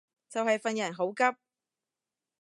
就係份人好急